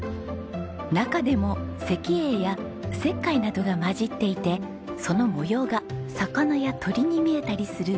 中でも石英や石灰などが混じっていてその模様が魚や鳥に見えたりする紋様石。